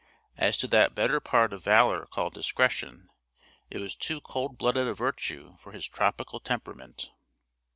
As to that better part of valor called discretion, it was too cold blooded a virtue for his tropical temperament.